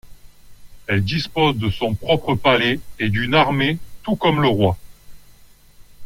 Elle dispose de son propre palais et d'une armée, tout comme le roi.